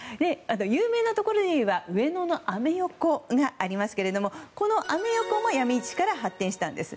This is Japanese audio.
有名なところでは上野のアメ横がありますけれどもこのアメ横もヤミ市から発展したんです。